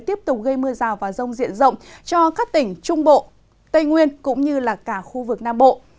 tiếp tục gây mưa rào và rông diện rộng cho các tỉnh trung bộ tây nguyên cũng như là cả khu vực nam bộ